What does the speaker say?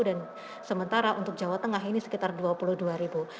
dan sementara untuk jawa tengah ini sekitar dua puluh dua ribu